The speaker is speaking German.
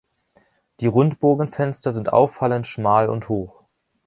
Die Rundbogenfenster sind auffallend schmal und hoch.